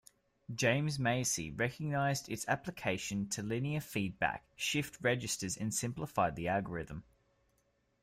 James Massey recognized its application to linear feedback shift registers and simplified the algorithm.